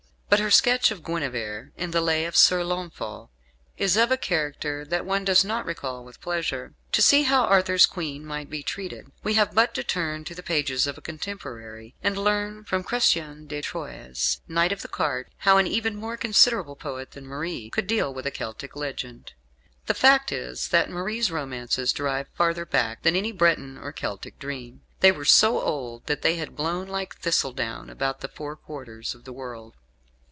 But her sketch of Guenevere in "The Lay of Sir Launfal" is of a character that one does not recall with pleasure. To see how Arthur's Queen might be treated, we have but to turn to the pages of a contemporary, and learn from Chrestien de Troyes' "Knight of the Cart," how an even more considerable poet than Marie could deal with a Celtic legend. The fact is that Marie's romances derive farther back than any Breton or Celtic dream. They were so old that they had blown like thistledown about the four quarters of the world.